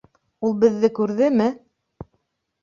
— Ул беҙҙе күрҙеме?